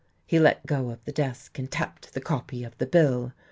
He let go of the desk, and tapped the copy of the bill.